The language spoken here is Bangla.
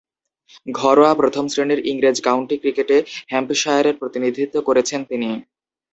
ঘরোয়া প্রথম-শ্রেণীর ইংরেজ কাউন্টি ক্রিকেটে হ্যাম্পশায়ারের প্রতিনিধিত্ব করেছেন তিনি।